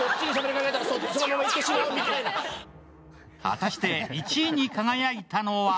果たして１位に輝いたのは。